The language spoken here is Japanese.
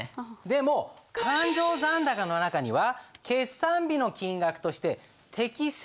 でも勘定残高の中には決算日の金額として適正